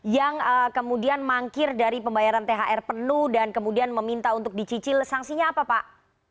yang kemudian mangkir dari pembayaran thr penuh dan kemudian meminta untuk dicicil sanksinya apa pak